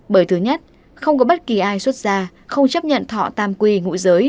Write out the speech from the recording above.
bởi thứ nhất không có bất kỳ ai xuất ra không chấp nhận thọ tam quy ngụ giới